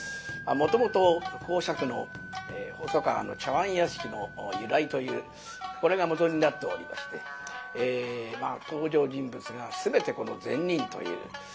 もともと講釈の「細川の茶碗屋敷の由来」というこれが元になっておりまして登場人物が全てこの善人という。